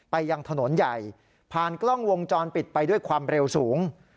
ยังถนนใหญ่ผ่านกล้องวงจรปิดไปด้วยความเร็วสูง